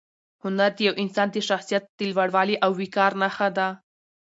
هنر د یو انسان د شخصیت د لوړوالي او وقار نښه ده.